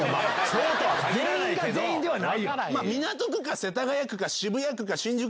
全員が全員ではないよ。